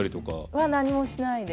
は何もしないで。